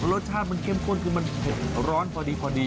รสชาติมันเข้มข้นคือมันเผ็ดร้อนพอดี